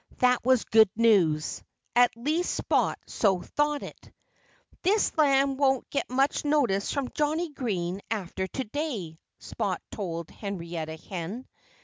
That was good news. At least Spot so thought it. "This lamb won't get much notice from Johnnie Green after to day," Spot told Henrietta Hen.